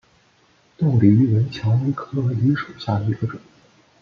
豆梨为蔷薇科梨属下的一个种。